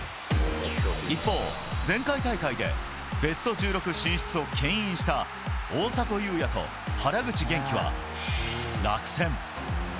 一方、前回大会でベスト１６進出をけん引した大迫勇也と原口元気は落選。